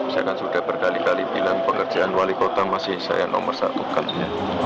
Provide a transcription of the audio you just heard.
saya kan sudah berkali kali bilang pekerjaan wali kota masih saya nomor satu kalinya